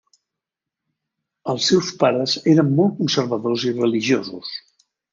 Els seus pares eren molt conservadors i religiosos.